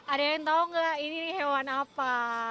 ada yang tau gak ini hewan apa